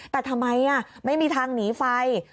แต่ทำไมไม่มีทางหนีไฟ